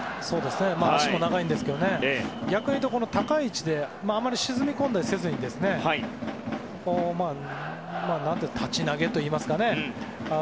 足も長いですけど逆に言うと高い位置であまり沈み込んだりせずに立ち投げといいますか。